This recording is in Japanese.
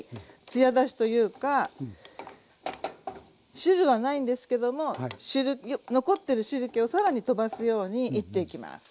汁はないんですけども残ってる汁けをさらにとばすようにいっていきます。